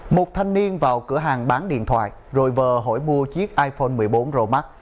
một thanh niên vào cửa hàng bán điện thoại rồi vờ hỏi mua chiếc iphone một mươi bốn romac